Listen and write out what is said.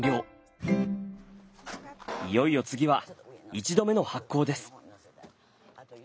いよいよ次は１度目の発酵です。